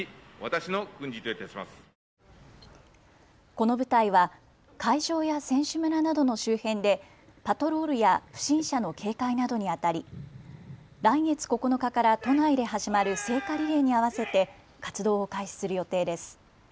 この部隊は会場や選手村などの周辺でパトロールや不審者の警戒などにあたり来月９日から都内で始まる聖火リレーに合わせて活動を開始する予定です。